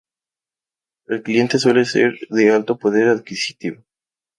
El cliente suele ser de alto poder adquisitivo.